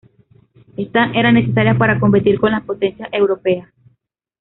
Estas eran necesarias para competir con las potencias europeas.